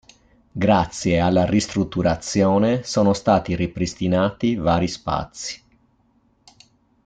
Grazie alla ristrutturazione, sono stati ripristinati vari spazi.